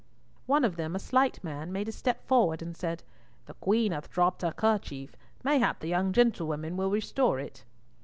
One of them, a slight man, made a step forward and said, "The Queen hath dropped her kerchief. Mayhap the young gentlewoman will restore it?"